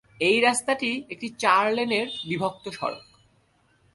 এই রাস্তাটি একটি চার-লেনের বিভক্ত সড়ক।